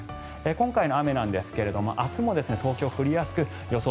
今回の雨なんですが明日も東京は降りやすく予想